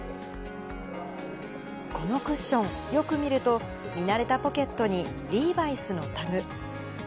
このクッション、よく見ると、見慣れたポケットにリーバイスのタグ。